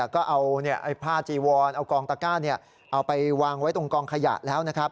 ก็เอาผ้าจีวอนเอากองตะก้าเอาไปวางไว้ตรงกองขยะแล้วนะครับ